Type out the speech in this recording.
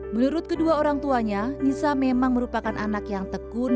menurut kedua orang tuanya nisa memang merupakan anak yang tekun